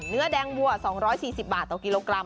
เนื้อแดงวัว๒๔๐บาทต่อกิโลกรัม